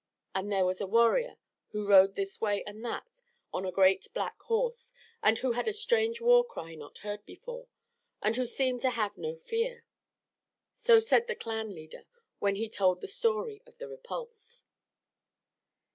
And there was a warrior who rode this way and that, on a great black horse, and who had a strange war cry not heard before, and who seemed to have no fear. So said the clan leader when he told the story of the repulse.